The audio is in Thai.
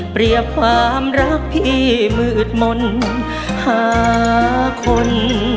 เปรียบความรักพี่มืดมนต์หาคน